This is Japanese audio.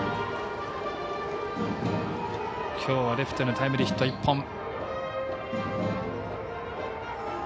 きょうはレフトへタイムリーヒット１本。